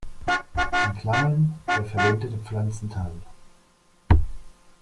In Klammern: der verwendete Pflanzenteil.